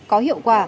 có hiệu quả